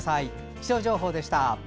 気象情報でした。